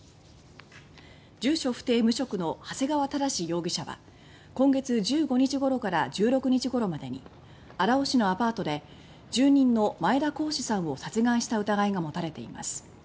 住所不定・無職の長谷川正容疑者は今月１５日ごろから１６日ごろまでに荒尾市のアパートで住人の前田好志さんを殺害した疑いが持たれています。